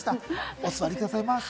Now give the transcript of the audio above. お座りくださいませ。